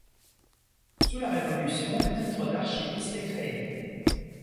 Sous la Révolution, le titre d'archiviste est créé.